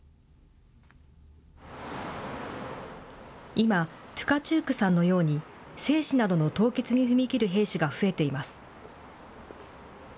今、トゥカチュークさんのように、精子などの凍結に踏み切る兵士が増えています。